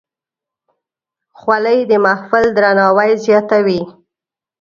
خولۍ د محفل درناوی زیاتوي.